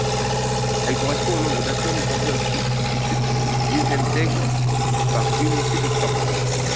Elle correspond au nombre d'atomes radioactifs qui se désintègrent par unité de temps.